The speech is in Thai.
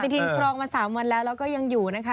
ปฏิทินพร้อมมา๓วันแล้วเราก็ยังอยู่นะคะ